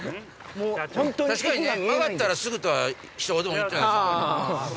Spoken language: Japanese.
確かにね曲がったらすぐとはひと言も言ってないんです。